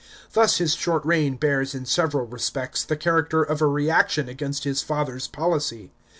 Thus his short reign bears in several respects the character of a reaction against his father's policy.